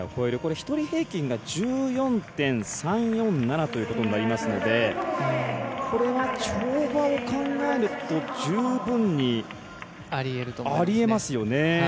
１人平均が１４．３４７ということになりますのでこれは、跳馬を考えると十分にありえますよね。